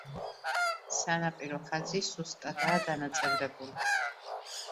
სანაპირო ხაზი სუსტადაა დანაწევრებული.